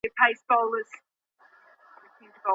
انجینري پوهنځۍ بې هدفه نه تعقیبیږي.